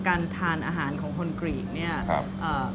ลูกค้าเข้ามาสั่งทานควรจะทานเป็นอาหารจานเดียว